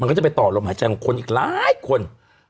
ก็จะไปต่อลมหายใจของคนอีกหลายคน